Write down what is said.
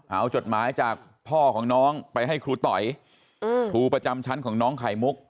เอาจดหมายจากพ่อของน้องไปให้ครูต๋อยครูประจำชั้นของน้องไข่มุก